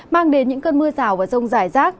mang đến những cơn mưa rào và rông rải rác